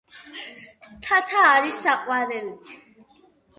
თათა არის საყვარელი!